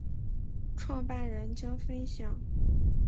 创办人将分享